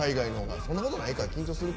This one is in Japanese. そんなことないか、緊張するか。